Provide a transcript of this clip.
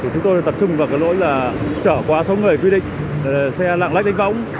chúng tôi tập trung vào lỗi trợ quá số người quy định xe lạng lách đánh võ